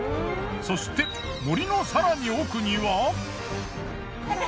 そして森の更に奥には。